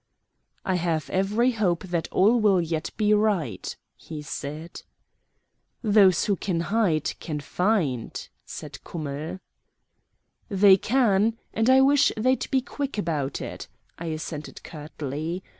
"I have every hope that all will yet be right," he said. "Those who hide can find," said Kummell. "They can, and I wish they'd be quick about it," I assented curtly.